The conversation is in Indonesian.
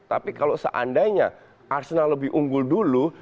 tapi kalau seandainya arsenal lebih unggul dulu